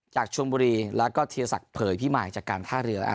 จากชวนบุรีแล้วก็เทียศักดิ์เผยพี่ใหม่จากการท่าเรืออ่า